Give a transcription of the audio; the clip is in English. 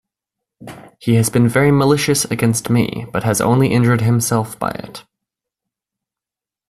He has been very malicious against me but has only injured himself by it.